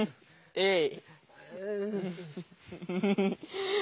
えい。